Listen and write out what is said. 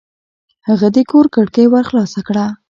هغه د کور کړکۍ ورو خلاصه کړه.